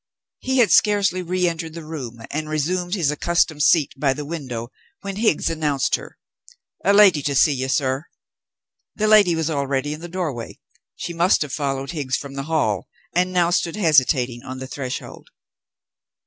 He had scarcely re entered the room and resumed his accustomed seat by the window when Higgs announced her. "A lady to see you, sir." The lady was already in the doorway. She must have followed Higgs from the hall, and now stood, hesitating, on the threshold.